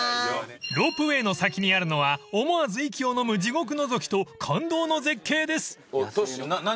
［ロープウエーの先にあるのは思わず息をのむ地獄のぞきと感動の絶景です］